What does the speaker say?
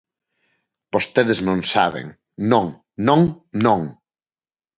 Vostedes non saben, ¡non, non, non!